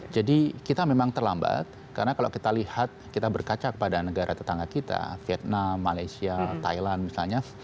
jadi kita memang terlambat karena kalau kita lihat kita berkaca kepada negara tetangga kita vietnam malaysia thailand misalnya